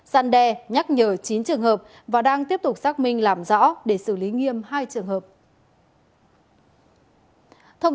gian đe nhắc nhở chín trường hợp và đang tiếp tục xác minh làm rõ để xử lý nghiêm hai trường hợp